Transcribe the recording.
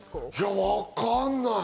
わかんない。